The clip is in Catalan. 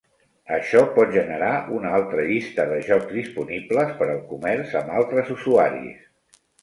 Això pot generar una altra llista de jocs disponibles per al comerç amb altres usuaris.